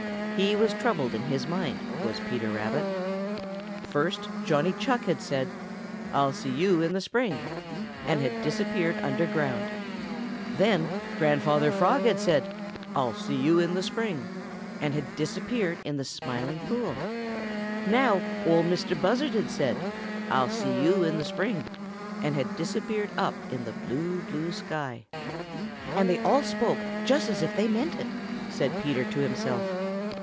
He was troubled in his mind, was Peter Rabbit. First Johnny Chuck had said: "I'll see you in the spring," and had disappeared underground; then Grandfather Frog had said: "I'll see you in the spring," and had disappeared in the Smiling Pool; now Ol' Mistah Buzzard had said: "Ah'll see yo' in the spring," and had disappeared up in the blue, blue sky. "And they all spoke just as if they meant it," said Peter to himself.